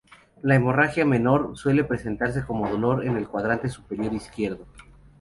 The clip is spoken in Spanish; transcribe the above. La hemorragia menor suele presentarse como dolor en el cuadrante superior izquierdo.